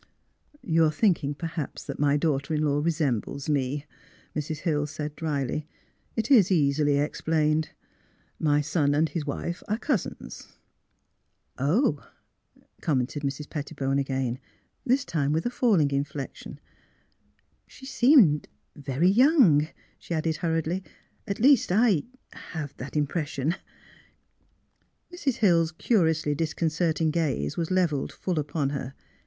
" You are thinking perhaps that my daughter in law resembles me," Mrs. Hill said, drj4y. '^ It is easily explained; my son and his wife are cousins." " Oh! " commented Mrs. Pettibone again; this time with a falling inflection. '' She seemed very — ^young," she added, hurriedly. '' At least I — have that impression." Mrs. Hill's curiously disconcerting gaze was levelled full upon her.